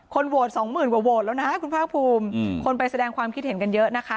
โหวตสองหมื่นกว่าโหวตแล้วนะคุณภาคภูมิคนไปแสดงความคิดเห็นกันเยอะนะคะ